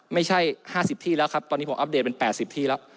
ไม่ใช่๕๐ที่แล้วครับตอนนี้ผมอัปเดตเป็น๘๐ที่แล้ว